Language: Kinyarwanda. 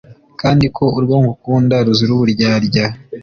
kandi ko urwo ngukunda ruzira uburyarya